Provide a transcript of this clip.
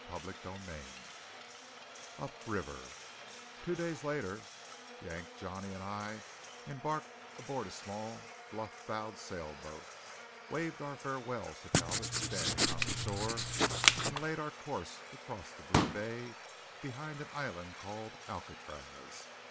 CHAPTER XIII UP RIVER Two days later Yank, Johnny, and I embarked aboard a small bluff bowed sailboat, waved our farewells to Talbot standing on the shore, and laid our course to cross the blue bay behind an island called Alcatraz.